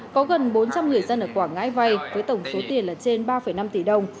có gần bốn trăm linh người dân ở quảng ngãi vay với tổng số tiền là trên ba năm tỷ đồng